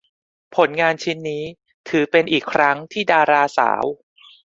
ผลงานชิ้นนี้ถือเป็นอีกครั้งที่ดาราสาว